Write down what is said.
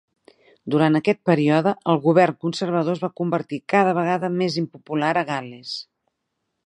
Durant aquest període, el govern conservador es va convertir cada vegada més impopular a Gal·les.